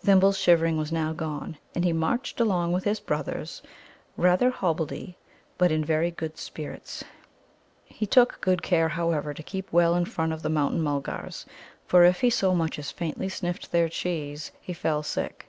Thimble's shivering was now gone, and he marched along with his brothers, rather hobbledy, but in very good spirits. He took good care, however, to keep well in front of the Mountain mulgars, for if he so much as faintly sniffed their cheese, he fell sick.